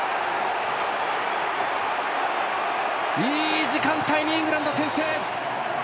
いい時間帯にイングランド、先制。